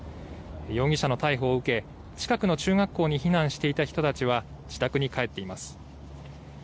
容疑者の逮捕を受け近くの中学校に避難していた人たちは自宅に帰っています。